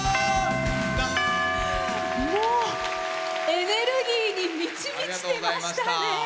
エネルギーに満ち満ちてましたね。